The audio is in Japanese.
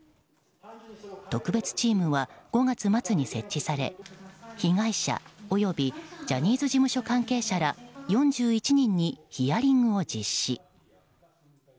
特別チームは５月末に設置され被害者及びジャニーズ事務所関係者ら４１人にヒアリングを実施。